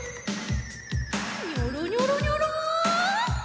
ニョロニョロニョロ。